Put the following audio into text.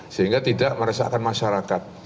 sehingga tidak meresahkan masyarakat